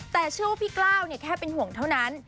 แต่ชื่อพี่กล้าวเนี่ยแค่เป็นห่วงเท่านั้น